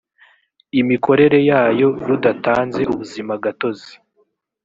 imikorere yayo rudatanze ubuzimagatozi